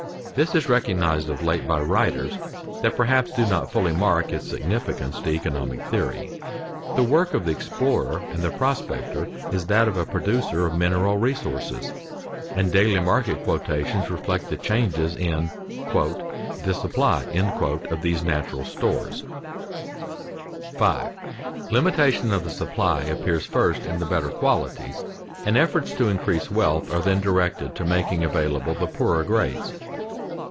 This is recognized of late by writers that perhaps do not fully mark its significance to economic theory. The work of the explorer and prospector is that of a producer of mineral resources, and daily market quotations reflect the changes in "the supply" of these natural stores. [Sidenote: Successive utilization of various grades of agents] 5. _Limitation of the supply appears first in the better qualities, and efforts to increase wealth are then directed to making available the poorer grades.